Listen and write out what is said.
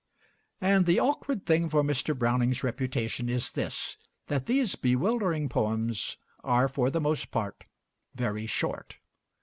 And the awkward thing for Mr. Browning's reputation is this, that these bewildering poems are for the most part very short.